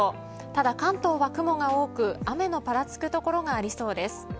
ただ関東は雲が多く、雨がぱらつく所がありそうです。